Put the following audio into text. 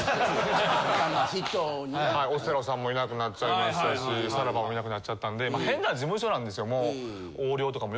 オセロさんもいなくなっちゃいましたしさらばもいなくなっちゃったんで変な事務所なんですよ。